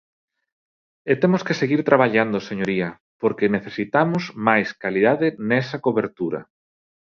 E temos que seguir traballando, señoría, porque necesitamos máis calidade nesa cobertura.